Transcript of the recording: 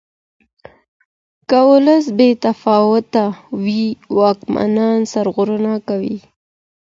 که ولس بې تفاوته وي واکمنان سرغړونه کوي.